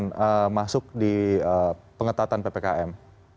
yang masuk di pengetatan ppkm